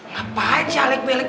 ngapain sih alex